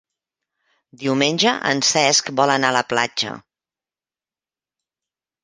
Diumenge en Cesc vol anar a la platja.